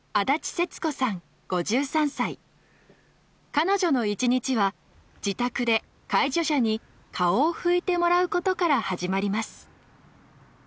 彼女の一日は自宅で介助者に顔を拭いてもらうことから始まります。